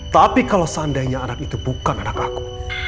tapi kalau seandainya anak itu bukan anak aku